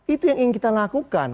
itu yang ingin kita lakukan